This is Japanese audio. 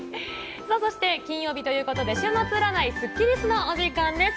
そして金曜日ということで週末占いスッキりすの時間です。